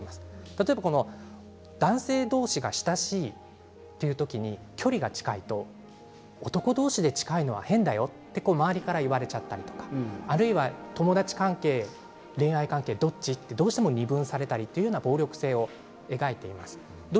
例えば男性同士が親しいという時に距離が近いと男同士で近いのは変だよと周りから言われてしまったりとかあるいは友達関係恋愛関係どっちとどうしても二分されたりという暴力性を描いています。